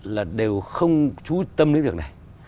là đều không trú tâm đến việc này